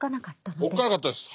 おっかなかったです。